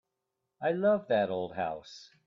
I love that old house.